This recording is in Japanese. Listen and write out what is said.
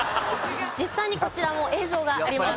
実際にこちらも映像があります。